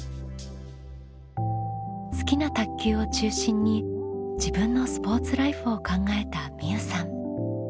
好きな卓球を中心に自分のスポーツライフを考えたみうさん。